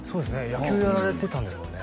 野球やられてたんですもんね